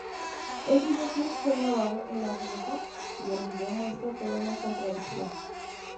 El videoclip fue grabado en La Rioja y el video muestra toda una contradicción.